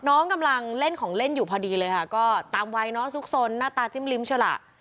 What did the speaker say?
น้องกำลังเล่นของเล่นอยู่พอดีเลยค่ะก็ตามวัยเนาะซุกสนหน้าตาจิ้มลิ้มชะละ